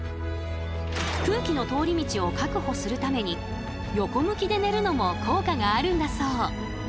空気の通り道を確保するために横向きで寝るのも効果があるんだそう。